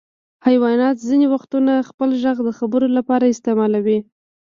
حیوانات ځینې وختونه خپل غږ د خبرو لپاره استعمالوي.